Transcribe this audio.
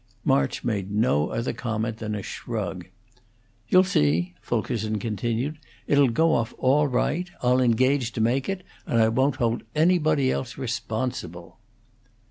March made no other comment than a shrug. "You'll see," Fulkerson continued, "it 'll go off all right. I'll engage to make it, and I won't hold anybody else responsible."